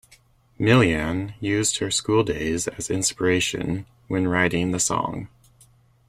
Milian used her school days as inspiration when writing the song.